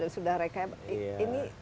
sudah rekab ini